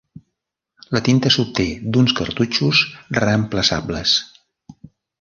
La tinta s'obté d'uns cartutxos reemplaçables.